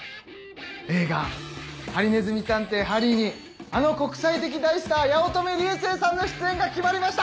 映画『ハリネズミ探偵・ハリー』にあの国際的大スター八乙女流星さんの出演が決まりました